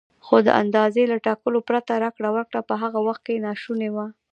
خو د اندازې له ټاکلو پرته راکړه ورکړه په هغه وخت کې ناشونې وه.